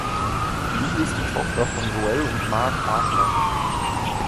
Lou ist die Tochter von Joelle und Marc Adler.